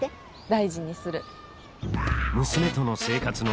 大事にする。